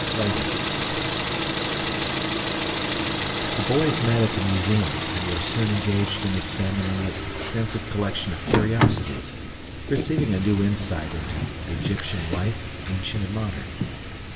Leyden The boys met at the museum and were soon engaged in examining its extensive collection of curiosities, receiving a new insight into Egyptian life, ancient and modern.